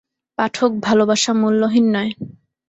পাঠক, ভালবাসা মূল্যহীন নয়।